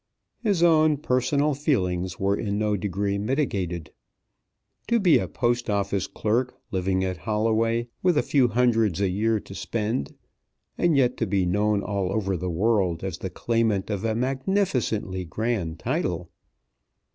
His own personal feelings were in no degree mitigated. To be a Post Office clerk, living at Holloway, with a few hundreds a year to spend, and yet to be known all over the world as the claimant of a magnificently grand title!